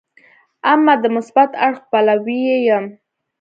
اما د مثبت اړخ پلوی یې یم.